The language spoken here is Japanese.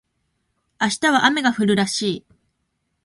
明日は雨が降るらしい